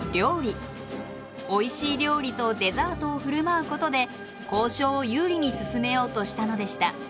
おいしい料理とデザートをふるまうことで交渉を有利に進めようとしたのでした。